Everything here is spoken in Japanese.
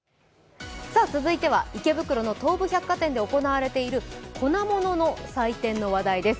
続いては池袋の東武百貨店で行われている粉ものの祭典です。